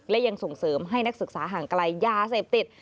และยังส่งเสริมให้นักศึกษาห่างไกลยาเสพติด